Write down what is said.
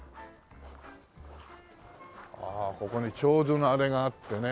ここに手水のあれがあってね。